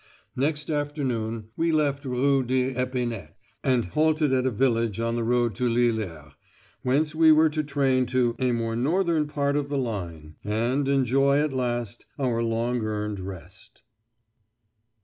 Next afternoon we left Rue de l'Epinette and halted at a village on the road to Lillers, whence we were to train to "a more northern part of the line," and enjoy at last our long earned rest.